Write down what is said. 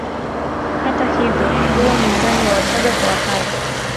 Hata hivyo huo ni utani wa Wachaga kwa Wapare